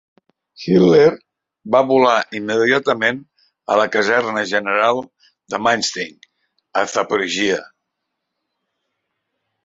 Hitler va volar immediatament a la caserna general de Manstein a Zaporíjia.